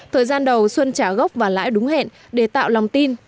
thời gian đầu xuân trả gốc và lãi đúng hẹn để tạo lòng tin